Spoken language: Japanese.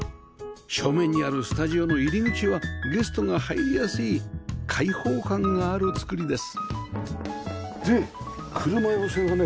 正面にあるスタジオの入り口はゲストが入りやすい開放感がある造りですで車寄せがね